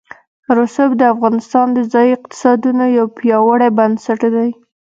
رسوب د افغانستان د ځایي اقتصادونو یو پیاوړی بنسټ دی.